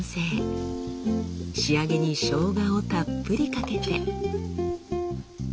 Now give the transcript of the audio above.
仕上げにしょうがをたっぷりかけて。